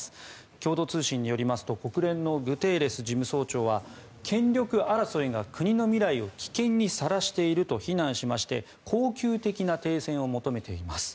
共同通信によりますと国連のグテーレス事務総長は権力争いが国の未来を危険にさらしていると非難しまして恒久的な停戦を求めています。